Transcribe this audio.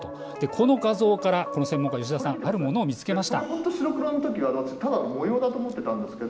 この画像から専門家の吉田さんあることを見つけました。